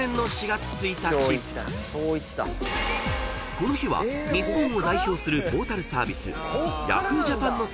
［この日は日本を代表するトータルサービス］